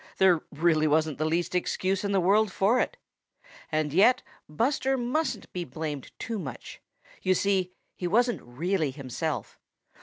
There really wasn't the least excuse in the world for it. And yet Buster mustn't be blamed too much. You see, he wasn't really himself.